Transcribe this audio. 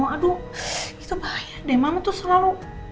aduh itu bahaya deh mama tuh selalu